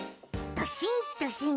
ドシンドシン。